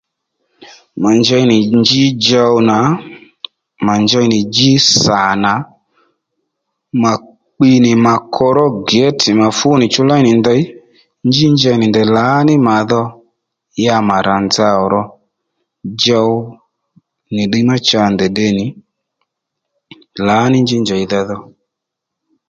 Mà njey nì njí djow nà mà njey nì njí sà nà mà kpi nì mà kokoró gěti nà fú nì chú léy nì ndey nji njey nì ndèy lǎní màdho ya mà rà nza ò ro djow nì ddiy ma cha ndèy tde nì lǎní njí njèydha dho